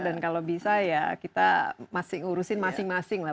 dan kalau bisa ya kita masing urusin masing masing lah